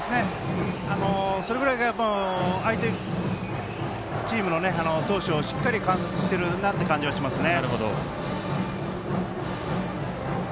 それぐらい相手チームの投手をしっかり観察してるなという感じはしますね。